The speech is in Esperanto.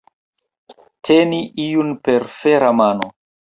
Teni iun per fera mano.